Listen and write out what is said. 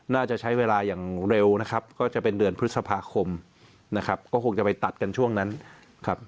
น่าจะใช้เวลาอย่างเร็วนะครับก็จะเป็นเดือนพฤษภาคมนะครับก็คงจะไปตัดกันช่วงนั้นครับ